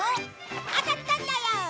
当たったんだよ！